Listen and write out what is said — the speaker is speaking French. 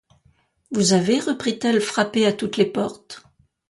Vous avez, reprit-elle, frappé à toutes les portes?